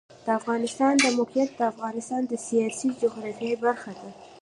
د افغانستان د موقعیت د افغانستان د سیاسي جغرافیه برخه ده.